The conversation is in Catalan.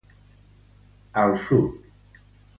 Al sud.